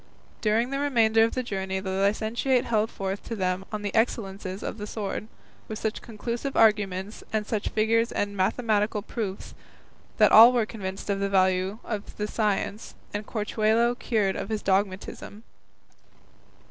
During the remainder of the journey the licentiate held forth to them on the excellences of the sword, with such conclusive arguments, and such figures and mathematical proofs, that all were convinced of the value of the science, and Corchuelo cured of his dogmatism.